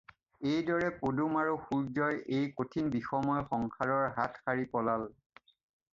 এইদৰে পদুম আৰু সূৰ্য্যই এই কঠিন বিষময় সংসাৰৰ হাত সাৰি পলাল।